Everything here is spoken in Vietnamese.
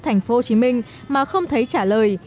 thành phố hồ chí minh mà không thấy trả lời